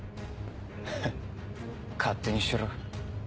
フッ勝手にしろ。